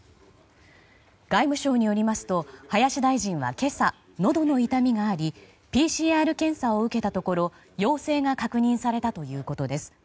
外務省によりますと林大臣は今朝のどの痛みがありＰＣＲ検査を受けたところ陽性が確認されたということです。